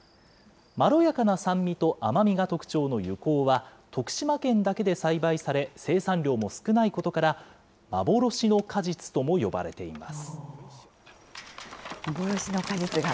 まろやかな酸味と甘みが特徴のゆこうは、徳島県だけで栽培され、生産量も少ないことから、幻の果実とも呼ばれています。